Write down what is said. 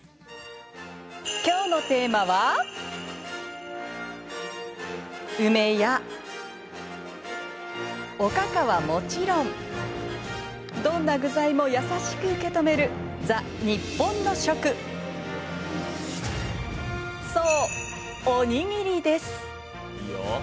きょうのテーマは梅や、おかかはもちろんどんな具材も優しく受け止めるザ・日本の食そう、おにぎりです。